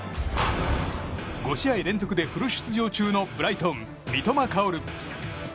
５試合連続でフル出場中のブライトン三笘薫。